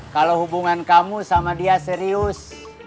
kalau hubungan kamu sama dia serius